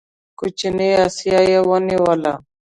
کوچنۍ اسیا یې ونیوله.